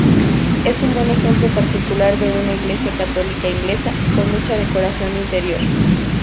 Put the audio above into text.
Es un buen ejemplo particular de una iglesia católica inglesa, con mucha decoración interior.